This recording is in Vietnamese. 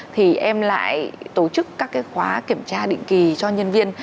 thì em lại tổ chức các cái khóa kiểm tra định kỳ cho nhân viên